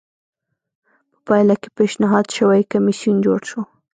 په پایله کې پېشنهاد شوی کمېسیون جوړ شو